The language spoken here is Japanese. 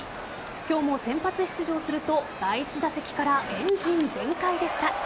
今日も先発出場すると第１打席からエンジン全開でした。